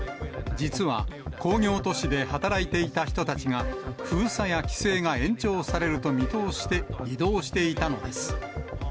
実は工業都市で働いていた人たちが、封鎖や規制が延長されると見通して移動していたのです。